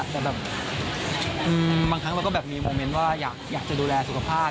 แต่แบบบางครั้งเราก็แบบมีโมเมนต์ว่าอยากจะดูแลสุขภาพ